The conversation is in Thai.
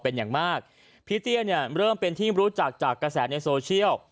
เป็นอย่างมากพี่เตี้ยเนี่ยเริ่มเป็นที่รู้จักจากกระแสในโซเชียล